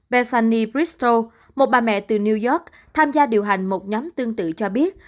bethany bristol một bà mẹ từ new york tham gia điều hành một nhóm tương tự cho biết